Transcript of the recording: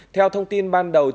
theo thông tin ban đầu